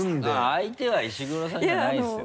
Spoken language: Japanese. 相手は石黒さんじゃないですよ。